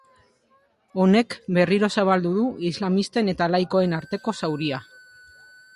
Honek berriro zabaldu du islamisten eta laikoen arteko zauria.